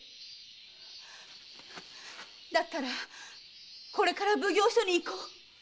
だったらこれから奉行所に行こう。